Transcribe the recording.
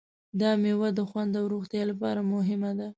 دا مېوه د خوند او روغتیا لپاره مهمه ده.